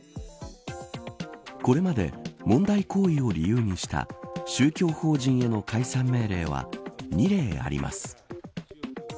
これまで、問題行為を理由にした宗教法人への解散命令は２例あります。